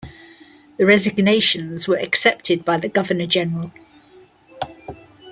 The resignations were accepted by the Governor General.